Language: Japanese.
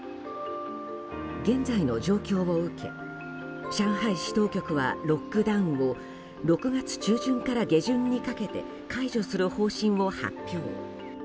現在の状況を受け、上海市当局はロックダウンを６月中旬から下旬にかけて解除する方針を発表。